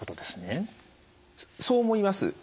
そう思います。